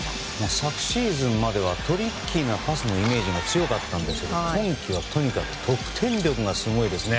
昨シーズンまではトリッキーなパスのイメージが強かったんですけど今季はとにかく得点力がすごいですね。